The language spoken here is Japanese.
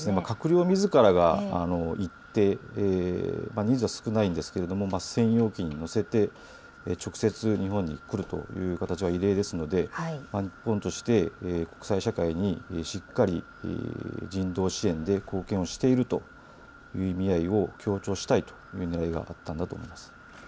閣僚みずからが行って人数は少ないんですけど専用機に乗せて直接日本に来るという形は異例ですので日本として、国際社会にしっかり人道支援で貢献をしているという意味合いを強調したいというねらいがあったんだと思います。